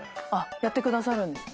やってくださるんですね。